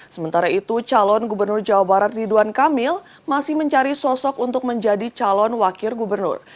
sementara itu calon gubernur jawa barat ridwan kamil masih mencari sosok untuk menjadi calon wakil gubernur